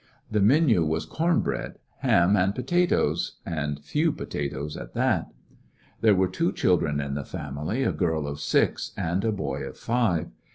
The menu was corn bread, ham, and potatoes, and few potatoes at that. There were two children in the family, a girl of six and a boy of five.